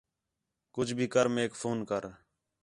کُج بھی کر میک فون کر